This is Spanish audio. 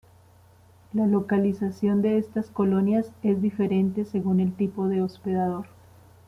La localización de estas colonias es diferente según el tipo de hospedador.